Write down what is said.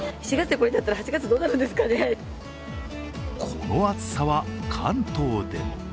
この暑さは関東でも。